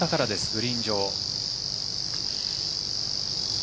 グリーン上。